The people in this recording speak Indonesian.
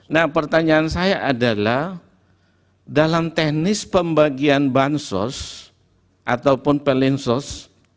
nah pertanyaan saya adalah dalam teknis pembagian bansos ataupun pelinsos